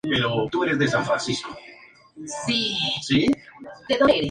Son muy usadas en electrónica y otras aplicaciones de ingeniería.